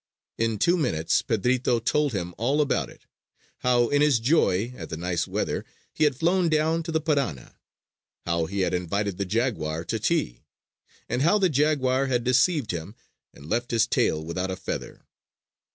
In two minutes, Pedrito told him all about it how, in his joy at the nice weather, he had flown down to the Parana; how he had invited the jaguar to tea; and how the jaguar had deceived him and left his tail without a feather.